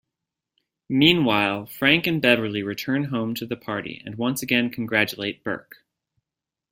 Meanwhile, Frank and Beverly return home to the party and once again congratulate Berke.